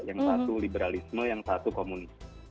yang satu liberalisme yang satu komunis